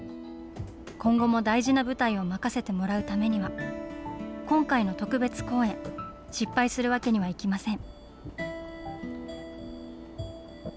今後も大事な舞台を任せてもらうためには、今回の特別公演、失敗するわけにはいきません。